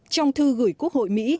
trong thư gửi quốc hội mỹ